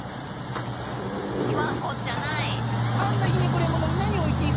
言わんこっちゃない。